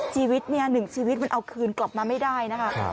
ชีวิตเนี่ยหนึ่งชีวิตมันเอาคืนกลับมาไม่ได้นะคะ